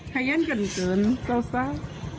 ฮัยั่นเกินเกินเศร้า